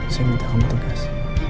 saya minta kamu tegas